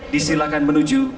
disilakan menuju ke tempat ini